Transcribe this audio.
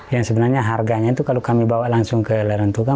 yang sebenarnya harganya itu kalau kami bawa langsung ke lereng tunggal